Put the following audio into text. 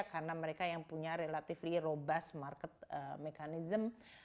karena mereka yang punya relatively robust market mechanism